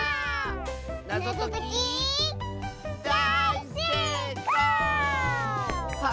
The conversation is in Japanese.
なぞときだい・せい・こう！